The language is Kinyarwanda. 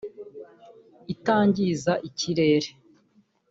itangiza ikirere